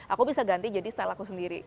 aku bisa ganti jadi style aku sendiri